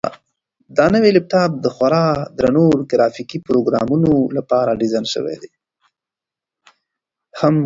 همږغۍ